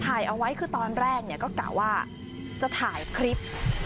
ถ่ายเอาไว้คือตอนแรกก็กะว่าจะถ่ายคลิป